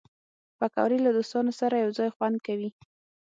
پکورې له دوستانو سره یو ځای خوند کوي